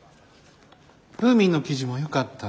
フーミンの記事もよかった。